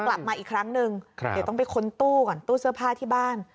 กลับมาอีกครั้งนึงเดี๋ยวต้องไปค้นตู้ก่อนตู้เสื้อผ้าที่บ้าน